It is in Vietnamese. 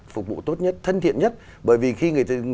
phục vụ tốt nhất thân thiện nhất bởi vì khi người